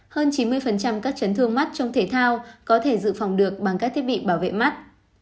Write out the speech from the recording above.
hơn chín mươi các chấn thương mắt trong thể thao có thể dự phòng được bằng các thiết bị bảo vệ mắt